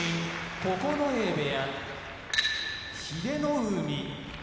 九重部屋英乃海